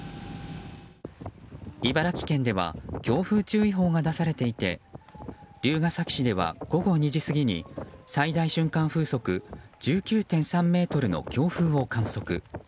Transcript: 茨城県では強風注意報が出されていて龍ケ崎市では午後２時過ぎに最大瞬間風速１９．３メートルの強風を観測。